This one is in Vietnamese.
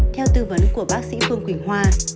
theo tư vấn của bác sĩ phương quỳnh hoa